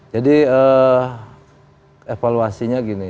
jadi evaluasinya gini